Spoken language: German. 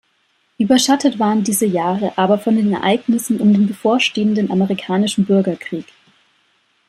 Überschattet waren diese Jahre aber von den Ereignissen um den bevorstehenden amerikanischen Bürgerkrieg.